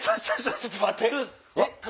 ちょっと待って。